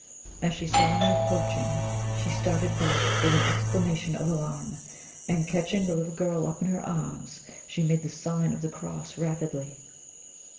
As she saw me approaching, she started back with an exclamation of alarm, and catching the little girl up in her arms, she made the sign of the cross rapidly.